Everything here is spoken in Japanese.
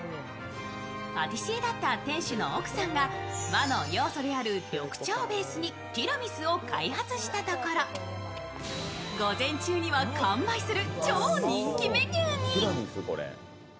パティシエだった店主の奥さんが和の要素である緑茶をベースにティラミスを開発したところ午前中には完売する超人気メニューに。